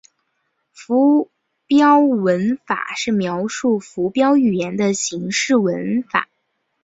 附标文法是描述附标语言的形式文法。